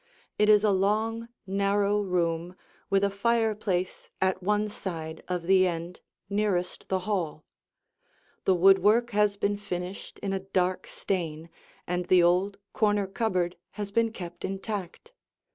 It is a long, narrow room with a fireplace at one side of the end nearest the hall. The woodwork has been finished in a dark stain, and the old corner cupboard has been kept intact.